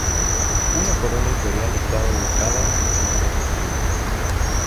Una corona imperial estaba ubicada encima del escudo.